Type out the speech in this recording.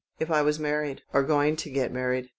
If I was mar ried—or going to get married."